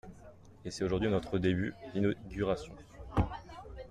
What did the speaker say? Et c’est aujourd’hui notre début… l’inauguration.